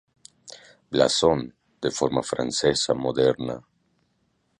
Blasón de forma francesa moderna.